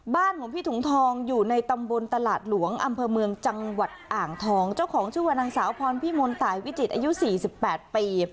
บ้านของพี่ถุงทองอยู่ในตำบลตลาดหลวงอำเภอเมืองจังหวัดอ่างทองเจ้าของชื่อว่านางสาวพรพิมลตายวิจิตรอายุสี่สิบแปดปี